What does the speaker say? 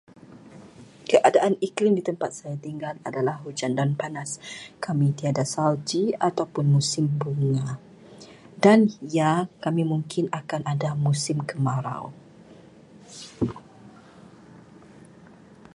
Keadaan iklim di tempat saya tinggal adalah hujan dan panas. Kami tiada salji atau pun musim bunga dan, ya, kami mungkin akan ada musim kemarau.